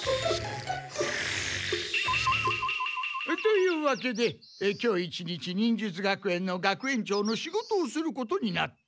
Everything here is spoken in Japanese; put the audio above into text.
というわけで今日一日忍術学園の学園長の仕事をすることになった。